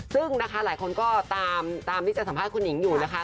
ซึ่งนะคะหลายคนก็ตามที่จะสัมภาษณ์คุณหญิงอยู่นะคะ